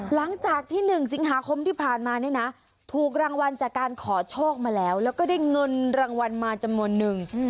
หลังจากที่๑สิงหาคมที่ผ่านมาเนี่ยนะถูกรางวัลจากการขอโชคมาแล้วแล้วก็ได้เงินรางวัลมาจำนวนนึง